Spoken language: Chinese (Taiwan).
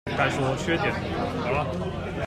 該說缺點了